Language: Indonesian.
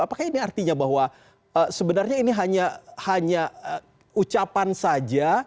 apakah ini artinya bahwa sebenarnya ini hanya ucapan saja